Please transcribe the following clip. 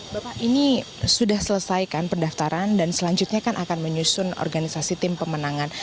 bapak ini sudah selesaikan pendaftaran dan selanjutnya kan akan menyusun organisasi tim pemenangan